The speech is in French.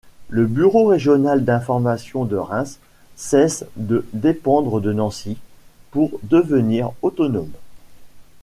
Le bureau régional d'information de Reims cesse de dépendre de Nancy, pour devenir autonome.